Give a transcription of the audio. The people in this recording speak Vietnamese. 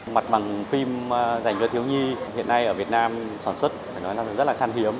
mặt bằng phim dành cho thiếu nhi hiện nay ở việt nam sản xuất phải nói là rất là khan hiếm